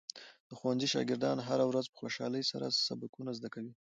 د ښوونځي شاګردان هره ورځ په خوشحالۍ سره سبقونه زده کوي.